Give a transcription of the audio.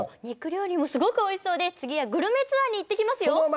肉料理もすごくおいしそうで次はグルメツアーに行ってきますよ！